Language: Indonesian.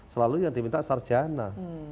selalu yang diminta sarjana